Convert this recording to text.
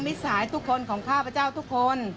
สายทุกคนของข้าพเจ้าทุกคน